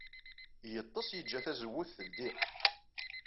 Yeḍḍes, yejja tazewwut teldey.